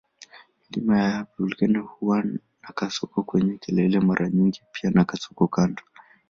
Milima ya volkeno huwa na kasoko kwenye kelele mara nyingi pia na kasoko kando.